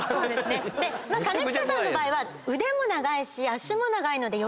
兼近さんの場合は。